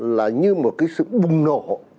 là như một cái sự bùng nổ